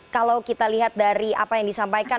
kalau kita lihat dari apa yang disampaikan